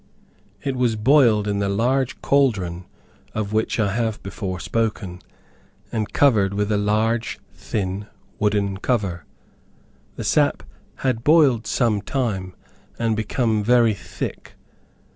It was boiled in the large caldron of which I have before spoken, and covered with a large, thin, wooden cover. The sap had boiled some time, and become very thick.